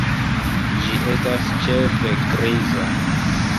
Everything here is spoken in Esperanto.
Ĝi estas ĉefe griza.